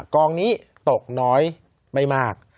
กองนี้ตกน้อยไม่มาก